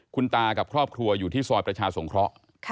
คุณตากับครอบครัวอยู่ที่ซอยประชาสงเคราะห์